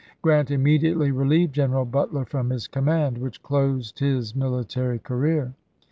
Grant immediately re lieved General Butler from command, which closed his military career.